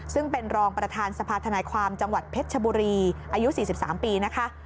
ซึ่งเป็นรองประธานสภาธนายความจังหวัดเพชรชบุรีอายุ๔๓ปีนะคะ